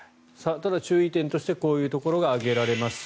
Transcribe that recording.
ただ、注意点としてこういうところが挙げられます。